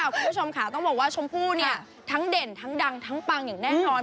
คุณผู้ชมค่ะต้องบอกว่าชมพู่เนี่ยทั้งเด่นทั้งดังทั้งปังอย่างแน่นอน